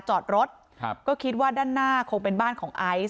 จอดรถครับก็คิดว่าด้านหน้าคงเป็นบ้านของไอซ์